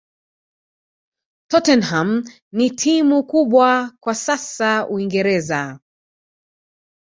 tottenham ni timu kubwa kwa sasa uingereza